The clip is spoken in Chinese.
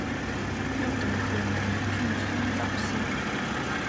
又得河南郡酸枣县。